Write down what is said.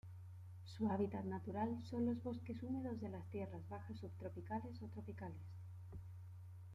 Su hábitat natural son los bosques húmedos de las tierras bajas subtropicales o tropicales.